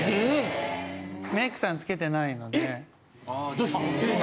どうして？